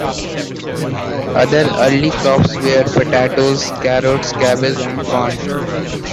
Other early crops were potatoes, carrots, cabbage, and corn.